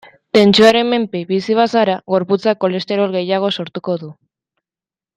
Tentsioaren menpe bizi bazara, gorputzak kolesterol gehiago sortuko du.